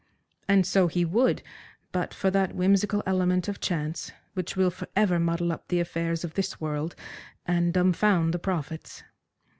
And so he would but for that whimsical element of chance, which will for ever muddle up the affairs of this world and dumbfound the prophets.